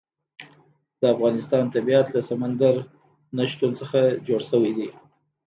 د افغانستان طبیعت له سمندر نه شتون څخه جوړ شوی دی.